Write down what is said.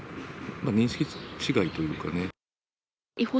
認識違いというかね。